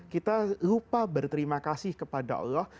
kita lupa berterima kasih kepada allah